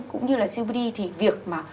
cũng như là cpt thì việc mà